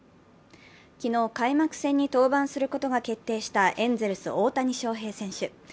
昨日開幕戦に登板することが決定したエンゼルス・大谷翔平選手。